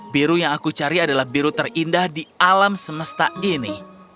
biru yang aku cari adalah biru terindah di alam semesta ini